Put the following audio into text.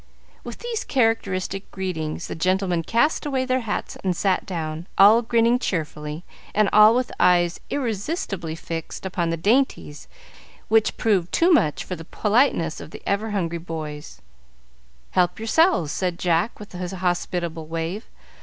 With these characteristic greetings, the gentlemen cast away their hats and sat down, all grinning cheerfully, and all with eyes irresistibly fixed upon the dainties, which proved too much for the politeness of ever hungry boys. "Help yourselves," said Jack, with a hospitable wave.